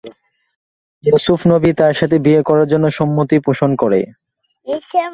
ইউসুফ নবি তার সাথে বিয়ে করার জন্য সম্মতি পোষণ করে।